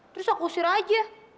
terus aku usir aja